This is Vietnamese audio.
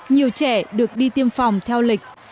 nhiều trẻ được đi tiêm phòng theo lịch